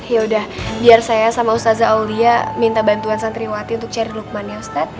yaudah biar saya sama ustazah aulia minta bantuan santriwati untuk cari lukman ya ustadz